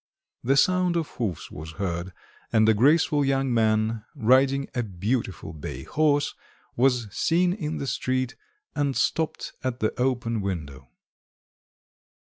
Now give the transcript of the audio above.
The sound of hoofs was heard; and a graceful young man, riding a beautiful bay horse, was seen in the street, and stopped at the open window.